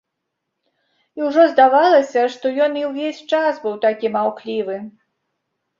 І ўжо здавалася, што ён і ўвесь час быў такі маўклівы.